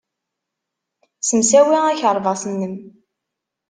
Ssemsawi akerbas-nnem.